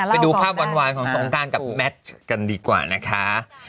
ไปดูภาพหวานของสงการกับแมทกันดีกว่านะคะ